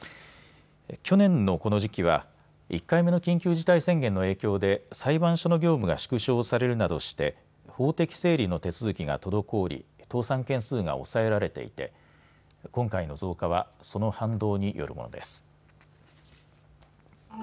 去年のこの時期は１回目の緊急事態宣言の影響で裁判所の業務が縮小されるなどして法的整理の手続きが滞り、倒産件数が抑えられていて今回の増加はその反動によるものです。